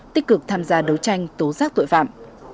tích cực tham gia đấu tranh tố giác tội phạm